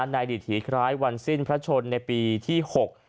ในดิถีคล้ายวันสิ้นพระชนในปีที่หก